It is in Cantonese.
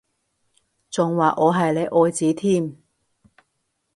仲話我係你愛子添？